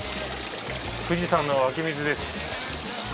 富士山の湧き水です。